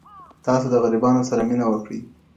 تاسو د غريبانو سره مينه وکړئ.